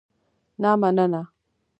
نه مننه.